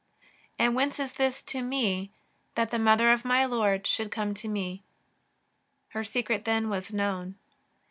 And whence is this to me that the Mother of my Lord should come to me ?'' Her secret, then, was known.